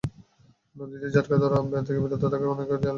নদীতে জাটকা ধরা থেকে বিরত থাকায় অনেক জেলে বর্ষাকালে বেকার হয়ে পড়েছেন।